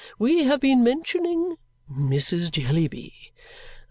We have been mentioning Mrs. Jellyby.